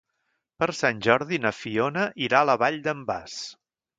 Per Sant Jordi na Fiona irà a la Vall d'en Bas.